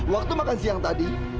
waktu makan siang tadi